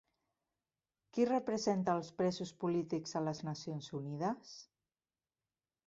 Qui representa els presos polítics a les Nacions Unides?